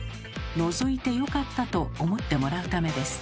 のぞいてよかったと思ってもらうためです。